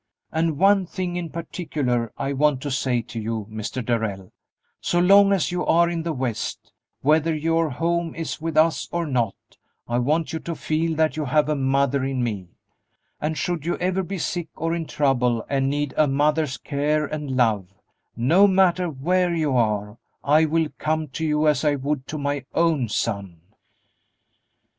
And one thing in particular I want to say to you, Mr. Darrell: so long as you are in the West, whether your home is with us or not, I want you to feel that you have a mother in me, and should you ever be sick or in trouble and need a mother's care and love, no matter where you are, I will come to you as I would to my own son."